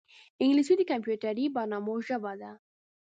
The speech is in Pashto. انګلیسي د کمپیوټري برنامو ژبه ده